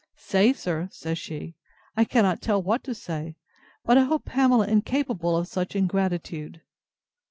—Say, sir! said she, I cannot tell what to say. But I hope Pamela incapable of such ingratitude.